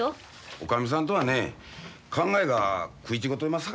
女将さんとはね考えが食い違うとりますさかいな。